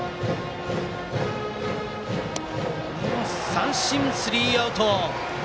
三振、スリーアウト！